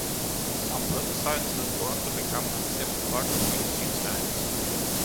Some protosciences go on to become an accepted part of mainstream science.